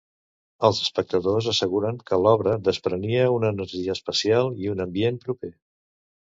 Els espectadors asseguren que l'obra desprenia una energia especial i un ambient proper.